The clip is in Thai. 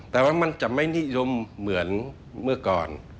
แต่ว่ามันจะไม่นิยมเหมือนเมื่อก่อน